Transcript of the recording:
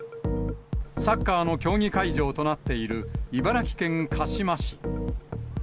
サッカーの競技会場となっている茨城県鹿嶋市。